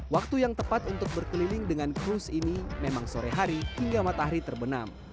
waktu yang tepat untuk berkeliling dengan kruce ini memang sore hari hingga matahari terbenam